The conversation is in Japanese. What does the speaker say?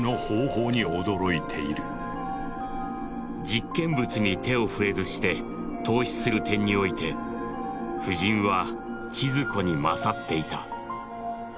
「実験物に手を触れずして透視する点に於て夫人は千鶴子に優っていた」。